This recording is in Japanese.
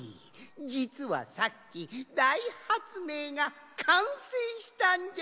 じつはさっきだいはつめいがかんせいしたんじゃ！